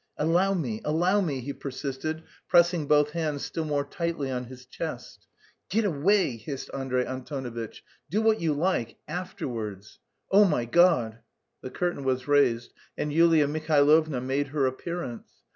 "Allow me, allow me," he persisted, pressing both hands still more tightly on his chest. "Get away!" hissed Andrey Antonovitch. "Do what you like... afterwards. Oh, my God!" The curtain was raised and Yulia Mihailovna made her appearance.